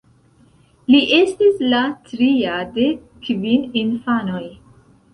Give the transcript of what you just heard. Li estis la tria de kvin infanoj.